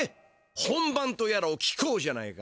本番とやらを聞こうじゃないか。